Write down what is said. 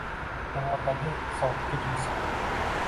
devordagi sovitkich misol